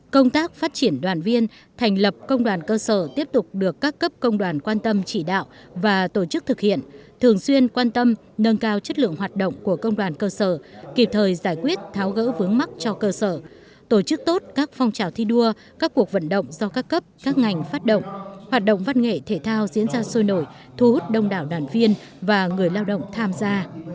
công tác phát triển đoàn viên thành lập công đoàn cơ sở tiếp tục được các cấp công đoàn quan tâm chỉ đạo và tổ chức thực hiện thường xuyên quan tâm nâng cao chất lượng hoạt động của công đoàn cơ sở kịp thời giải quyết tháo gỡ vướng mắc cho cơ sở tổ chức tốt các phong trào thi đua các cuộc vận động do các cấp các ngành phát động hoạt động văn nghệ thể thao diễn ra sôi nổi thu hút đông đảo đoàn viên và người lao động tham gia